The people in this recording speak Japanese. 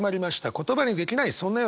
「言葉にできない、そんな夜。」。